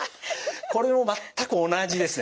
これも全く同じですね。